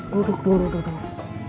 duduk dulu duduk